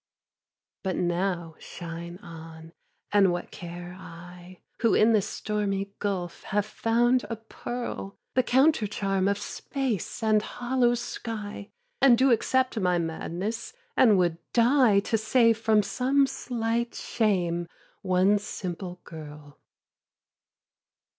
5. But now shine on, and what care I, Who in this stormy gulf have found a pearl The countercharm of space and hollow sky, And do accept my madness, and would die To save from some slight shame one simple girl.